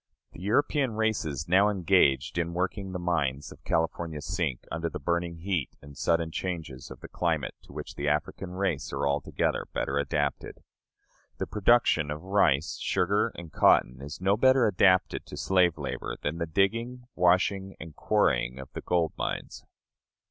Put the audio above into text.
The European races now engaged in working the mines of California sink under the burning heat and sudden changes of the climate to which the African race are altogether better adapted. The production of rice, sugar, and cotton, is no better adapted to slave labor than the digging, washing, and quarrying of the gold mines.